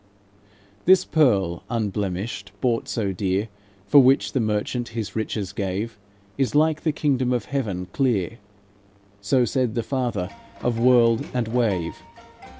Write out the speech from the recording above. "'This pearl unblemished, bought so dear, For which the merchant his riches gave, Is like the kingdom of heaven clear;' So said the Father of world and wave.